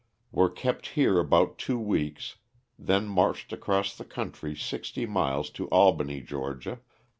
Were kept here about two weeks then marched across the country sixty miles to Albany, Ga.